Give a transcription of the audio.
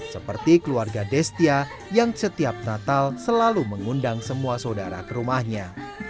seperti keluarga destia yang setiap natal selalu mengundang semua saudara ke rumahnya